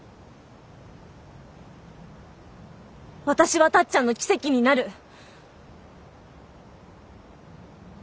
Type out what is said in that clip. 私はタッちゃんの奇跡になる。